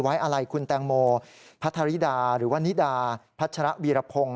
ไว้อะไรคุณแตงโมพัทธริดาหรือว่านิดาพัชรวีรพงศ์